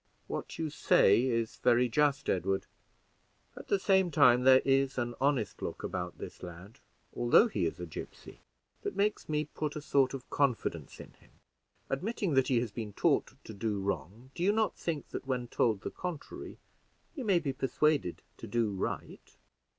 "What you say is very just, Edward; at the same time there is an honest look about this lad, although he is a gipsy, that makes me put a sort of confidence in him. Admitting that he has been taught to do wrong, do you not think that when told the contrary he may be persuaded to do right?"